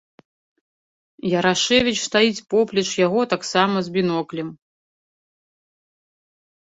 Ярашэвіч стаіць поплеч яго таксама з біноклем.